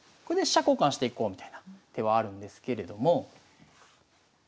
これで飛車交換していこうみたいな手はあるんですけれども。